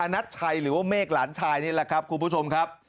นัทชัยหรือว่าเมฆหลานชายนี่แหละครับคุณผู้ชมครับ